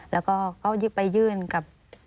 แล้วก็เขาไปยื่นกับ